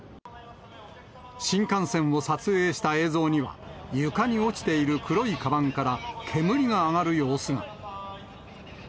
新幹線を撮影した映像には、床に落ちている黒いかばんから煙が上がる様子が。